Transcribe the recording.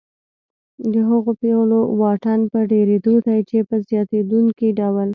د هغو پیغلو واټن په ډېرېدو دی چې په زیاتېدونکي ډول